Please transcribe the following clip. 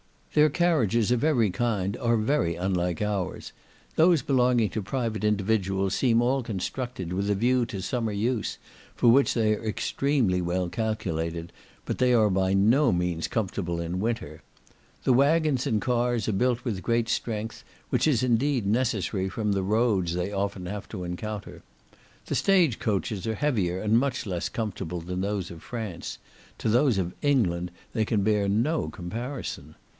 Their carriages of every kind are very unlike ours; those belonging to private individuals seem all constructed with a view to summer use, for which they are extremely well calculated, but they are by no means comfortable in winter. The waggons and cars are built with great strength, which is indeed necessary, from the roads they often have to encounter. The stagecoaches are heavier and much less comfortable than those of France; to those of England they can bear no comparison.